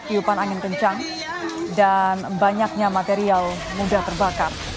tiupan angin kencang dan banyaknya material mudah terbakar